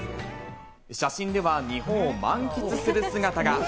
写真では日本を満喫する姿が。